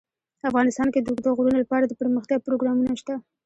افغانستان کې د اوږده غرونه لپاره دپرمختیا پروګرامونه شته.